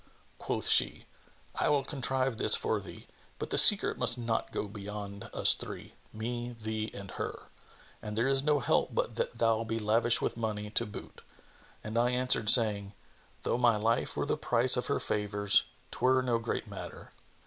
Quoth she, 'I will contrive this for thee; but the secret must not go beyond us three, me, thee and her; and there is no help but that thou be lavish with money, to boot.' And I answered, saying, 'Though my life were the price of her favours 'twere no great matter.'"